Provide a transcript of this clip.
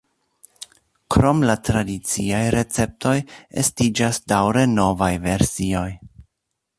Krom la tradiciaj receptoj estiĝas daŭre novaj versioj.